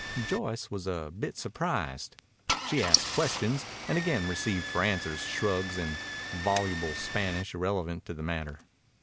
Joyce was a bit surprised. She asked questions, and again received for answers shrugs and voluble Spanish irrelevant to the matter.